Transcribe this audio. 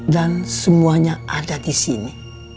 dan semuanya ada disini